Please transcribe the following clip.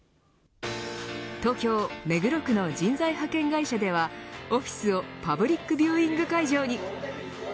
東京、目黒区の人材派遣会社ではオフィスをパブリックビューイング会場に。